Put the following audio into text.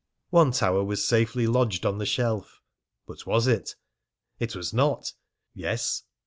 One tower was safely lodged on the shelf. But was it? It was not! Yes?